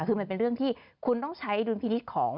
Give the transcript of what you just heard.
คือมันเป็นเรื่องที่คุณต้องใช้ดุลพินิษฐ์ของ